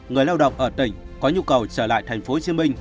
người lao động ở tỉnh có nhu cầu trở lại tp hcm